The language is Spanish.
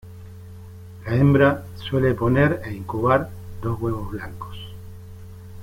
La hembra suele poner e incubar dos huevos blancos.